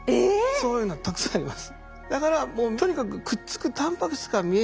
そういうのたくさんあります。